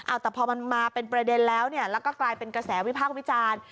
เอาแต่พอมันมาเป็นประเด็นแล้วเนี่ยแล้วก็กลายเป็นกระแสวิพากษ์วิจารณ์